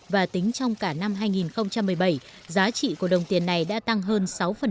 và tính trong cả năm hai nghìn một mươi bảy giá trị của đồng tiền này đã tăng hơn sáu